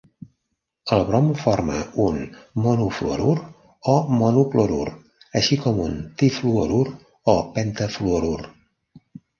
El brom forma un monofluorur o monoclorur, així com un trifluorur o pentafluorur.